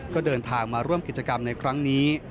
ก็เดินทางมาร่วมกิจกรรมในครั้งนี้